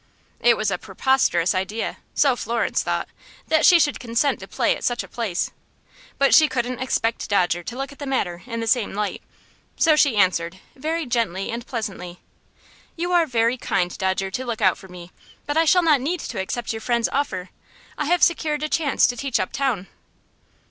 It was a preposterous idea so Florence thought that she should consent to play at such a place; but she couldn't expect Dodger to look at the matter in the same light, so she answered, very gently and pleasantly: "You are very kind, Dodger, to look out for me, but I shall not need to accept your friend's offer. I have secured a chance to teach uptown."